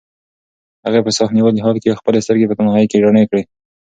هغې په ساه نیولي حال کې خپلې سترګې په تنهایۍ کې رڼې کړې.